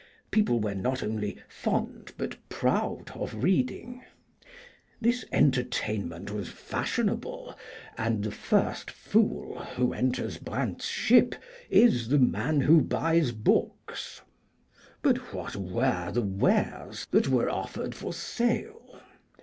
People were not only fond, but proud, of reading. This entertainment was fashionable, and the first fool who enters Brandt's ship is the man who buys books. But what were the wares that were offered for sale?